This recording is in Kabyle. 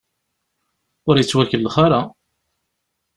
Ur ittwakellex ara.